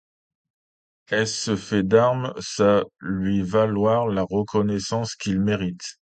Et ce fait d'armes va lui valoir la reconnaissance qu'il mérite.